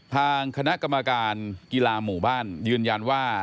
ทางคณะกรรมการกีฬาหมู่บ้านยืนยันว่า